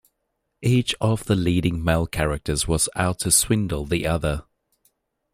Each of the leading male characters was out to swindle the other.